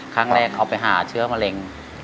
ครั้งแรกเขาไปหาเชื้อมะเร็ง